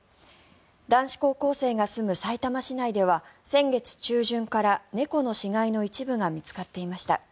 男子高校生が住むさいたま市内では先月中旬から、猫の死骸の一部が見つかっていました。